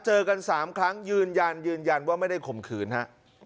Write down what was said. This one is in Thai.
เจอกัน๓ครั้งยืนยันยืนยันว่าไม่ได้ข่มขืนฮะ